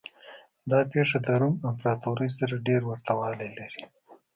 دا پېښه د روم امپراتورۍ سره ډېر ورته والی لري.